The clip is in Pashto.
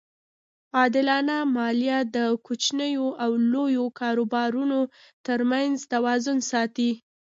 عادلانه مالیه د کوچنیو او لویو کاروبارونو ترمنځ توازن ساتي.